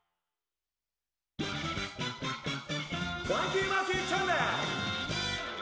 「ファンキーマーキーチャンネル」！